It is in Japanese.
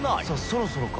そろそろか？